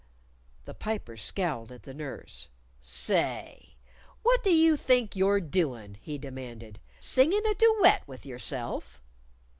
The Piper scowled at the nurse. "Say! What do you think you're doin'?" he demanded. "Singin' a duet with yourself?"